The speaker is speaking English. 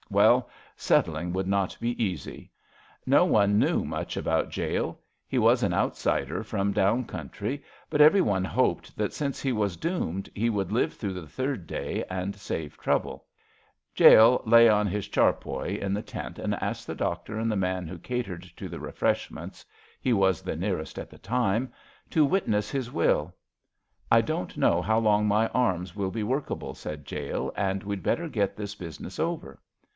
Well, settling would not be easy. No one knew much about Jale. He was an outsider from down country, but every one hoped that, since he was doomed, he would live through the third day and save trouble. Jale lay on his charpoy in the tent and asked the doctor and the man who catered to the refresh ments — ^he was the nearest at the time — to witness his will. I don't know how long my arms will be workable,'* said Jale, *^ and we'd better get this business over."